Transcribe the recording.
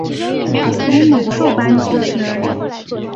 如猛兽般疾驶而来